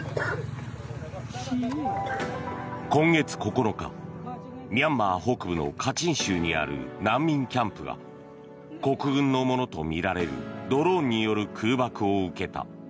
今月９日、ミャンマー北部のカチン州にある難民キャンプが国軍のものとみられるドローンによる空爆を受けた。